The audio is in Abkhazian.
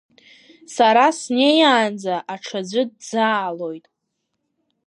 Сара снеиаанӡа аҽаӡәы дӡаалоит.